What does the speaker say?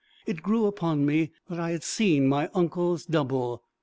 It grew upon me that I had seen my uncle's double.